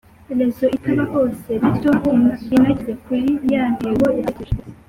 reseau itaba hose, bityo na igeze kuri ya ntego yatekereje.